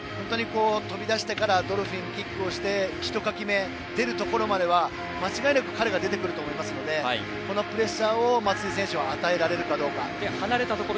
飛び出してからドルフィンキックをしてひとかき目、出るところまでは間違いなく彼が出てくると思いますのでこのプレッシャーを、松井選手は与えられるかどうか。